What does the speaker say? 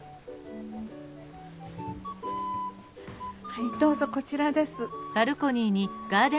はいどうぞこちらです。